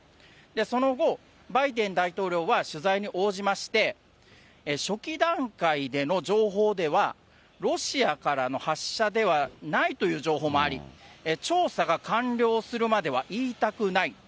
その後、バイデン大統領は取材に応じまして、初期段階での情報では、ロシアからの発射ではないという情報もあり、調査が完了するまでは言いたくない。